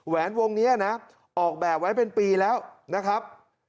แวนวงนี้นะออกแบบไว้เป็นปีแล้วนะครับ